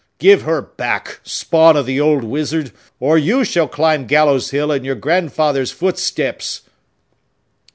Give her back, spawn of the old wizard, or you shall climb Gallows Hill in your grandfather's footsteps!"